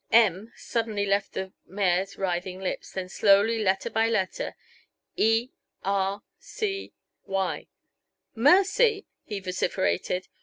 "M," suddenly left the mayor's writhing lips; then slowly, letter by letter, "E R C Y. Mercy!" he vociferated.